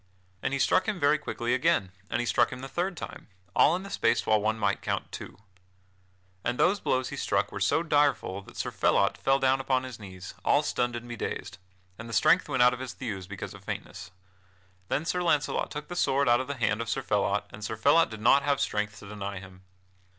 And he struck him very quickly again, and he struck him the third time, all in the space whilst one might count two. And those blows he struck were so direful that Sir Phelot fell down upon his knees, all stunned and bedazed, and the strength went out of his thews because of faintness. Then Sir Launcelot took the sword out of the hand of Sir Phelot and Sir Phelot did not have strength to deny him.